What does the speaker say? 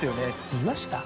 見ました？